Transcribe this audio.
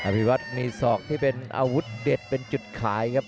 พี่วัดมีศอกที่เป็นอาวุธเด็ดเป็นจุดขายครับ